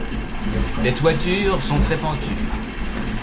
Les toitures sont très pentues.